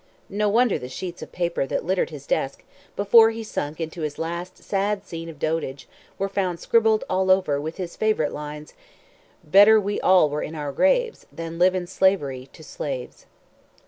No wonder the sheets of paper that littered his desk, before he sunk into his last sad scene of dotage, were found scribbled all over with his favourite lines— "Better we all were in our graves, Than live in slavery to slaves."